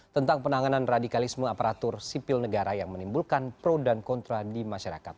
tentang penanganan radikalisme aparatur sipil negara yang menimbulkan pro dan kontra di masyarakat